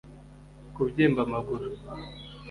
kubyimba amaguru